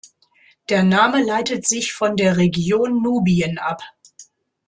Der Name leitet sich von der Region Nubien ab.